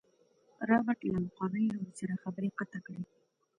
رابرټ له مقابل لوري سره خبرې قطع کړې.